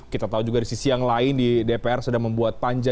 kita tahu juga di sisi yang lain di dpr sudah membuat panja